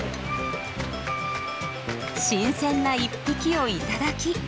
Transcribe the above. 新鮮な１匹を頂き